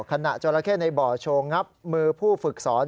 ขณะจราเข้ในบ่อโชว์งับมือผู้ฝึกสอน